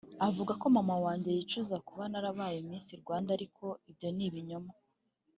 Avuga ko mama wanjye yicuza kuba narabaye Miss Rwanda ariko ibyo ni ibinyoma